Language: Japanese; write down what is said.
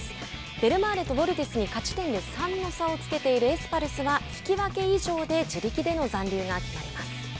ベルマーレとヴォルティスに勝ち点で３の差をつけているエスパルスは、引き分け以上で自力での残留が決まります。